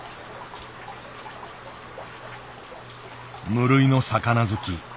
無類の魚好き。